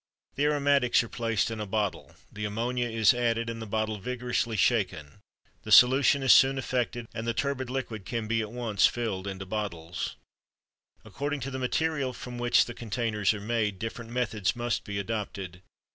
The aromatics are placed in a bottle, the ammonia is added, and the bottle vigorously shaken; the solution is soon effected, and the turbid liquid can be at once filled into bottles. According to the material from which the containers are made, different methods must be adopted.